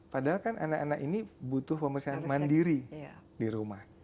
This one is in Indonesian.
padahal kan anak anak ini butuh pemeriksaan mandiri di rumah